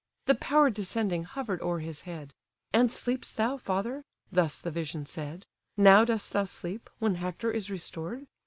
The power descending hover'd o'er his head: "And sleep'st thou, father! (thus the vision said:) Now dost thou sleep, when Hector is restored?